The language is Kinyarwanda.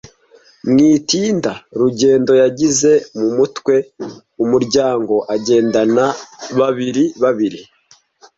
Mu itinda rugendo yagize mu mutwe umuryango agendana babiri babiri,